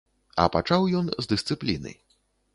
А пачаў ён з дысцыпліны.